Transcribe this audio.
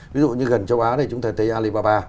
ví dụ như gần châu á này chúng ta thấy alibaba